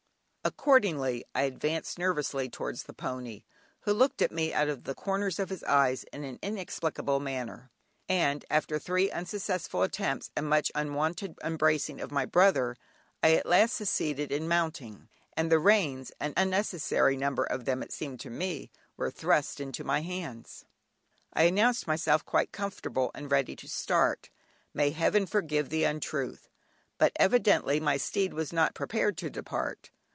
Accordingly, I advanced nervously towards the pony, who looked at me out of the corners of his eyes in an inexplicable manner, and after three unsuccessful attempts, and much unwonted embracing of my brother, I at last succeeded in mounting, and the reins (an unnecessary number of them it seemed to me) were thrust into my hands. I announced myself quite comfortable and ready to start; may Heaven forgive the untruth! But evidently my steed was not prepared to depart.